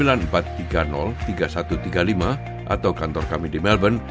atau kantor kami di melbourne